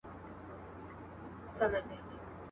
فساد په ځمکه کي مه کوئ.